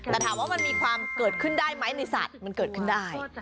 แต่ถามว่ามันมีความเกิดขึ้นได้ไหมในสัตว์มันเกิดขึ้นได้